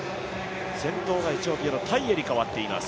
先頭がエチオピアのタイエに変わっています。